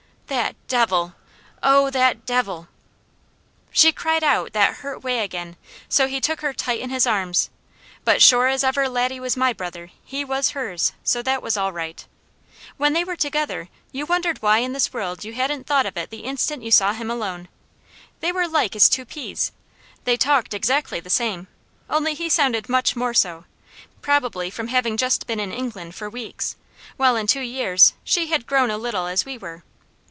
"That devil! Oh that devil!" She cried out that hurt way again, so he took her tight in his arms; but sure as ever Laddie was my brother, he was hers, so that was all right. When they were together you wondered why in this world you hadn't thought of it the instant you saw him alone. They were like as two peas. They talked exactly the same, only he sounded much more so, probably from having just been in England for weeks, while in two years she had grown a little as we were.